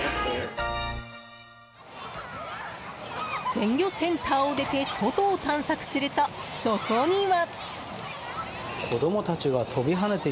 鮮魚センターを出て外を探索すると、そこには。